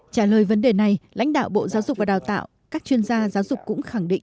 trả lời vấn đề này lãnh đạo bộ giáo dục và đào tạo các chuyên gia giáo dục cũng khẳng định